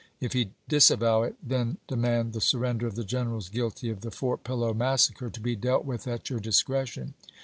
If he disavow it, then demand the surrender of the generals guilty of the Fort Pillow massacre to be dealt with at your discretion.